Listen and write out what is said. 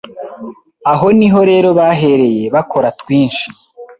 Aho niho rero bahereye bakora twinshi,